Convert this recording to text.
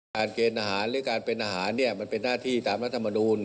การเกณฑ์นร้านหรือการเป็นนร้านมันเป็นหน้าที่ตามรัฐธรรมดูล